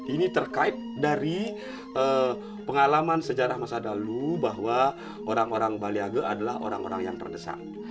ini terkait dari pengalaman sejarah masa lalu bahwa orang orang baliage adalah orang orang yang terdesak